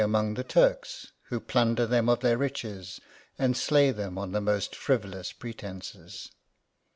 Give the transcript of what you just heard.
ngst the Turks, who plunder them of their riches, and slay than on the most frivolous pretences.